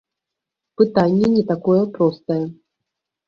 Пытанне не такое простае.